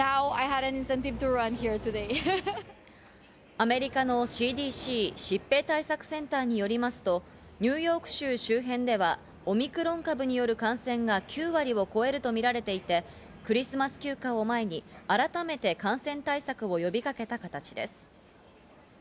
アメリカのＣＤＣ＝疾病対策センターによりますと、ニューヨーク州周辺では、オミクロン株による感染が９割を超えるとみられていて、クリスマス休暇を前に改めて感染対策を呼びかけた形です。